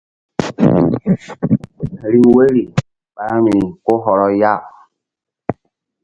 Riŋ woyri ɓa vbi̧ri ko hɔrɔ ya.